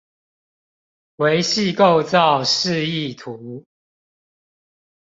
微細構造示意圖